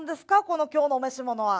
この今日のお召し物は。